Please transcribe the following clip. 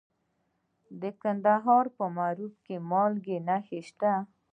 د کندهار په معروف کې د مالګې نښې شته.